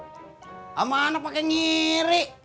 sama anak pake ngiri